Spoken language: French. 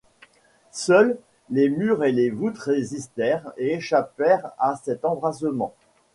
Seuls, les murs et les voûtes résistèrent et échappèrent à cet embrasement.